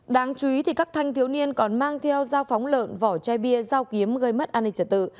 đáng chú ý các thanh thiếu niên còn mang theo dao phóng lợn vỏ chai bia dao kiếm gây mất an ninh trật tự